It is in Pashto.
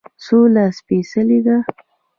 سوله سپیڅلې ده